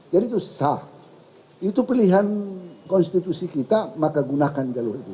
jadi itu sah itu pilihan konstitusi kita maka gunakan jalur itu